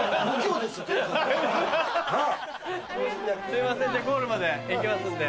すいませんゴールまで行きますんで。